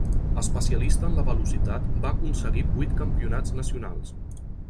Especialista en la Velocitat, va aconseguir vuit campionats nacionals.